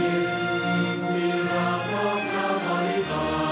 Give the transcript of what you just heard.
ยินดีที่เราพร้อมกับบริษัท